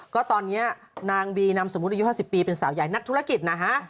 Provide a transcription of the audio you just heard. ก็ตอนนี้นางบีนามสมมุติอายุ๕๐ปีเป็นสาวใหญ่นักธุรกิจนะฮะ